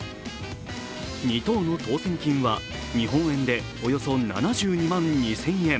２等の当選金は日本円でおよそ７２万２０００円。